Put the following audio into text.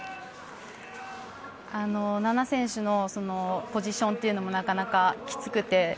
菜那選手のポジションというのもなかなかきつくて。